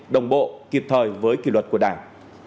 đồng bộ kịp thời với kỷ luật của đảng